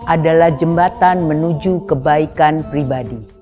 adalah jembatan menuju kebaikan pribadi